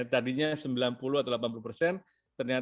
tadinya sembilan puluh atau delapan puluh persen